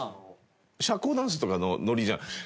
社交ダンスとかのノリじゃない。